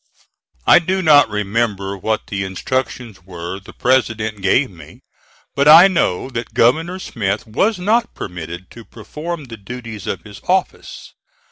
I do not remember what the instructions were the President gave me, but I know that Governor Smith was not permitted to perform the duties of his office.